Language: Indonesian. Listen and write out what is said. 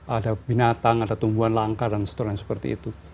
ada binatang ada tumbuhan langka dan seterusnya seperti itu